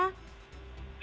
sampai saat ini